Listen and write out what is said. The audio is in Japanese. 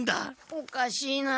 おかしいなあ。